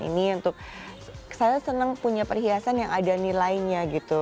ini untuk saya senang punya perhiasan yang ada nilainya gitu